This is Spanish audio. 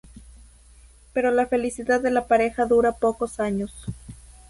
Pero la felicidad de la pareja dura pocos años.